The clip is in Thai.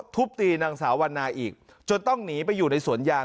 ทุบตีนางสาววันนาอีกจนต้องหนีไปอยู่ในสวนยาง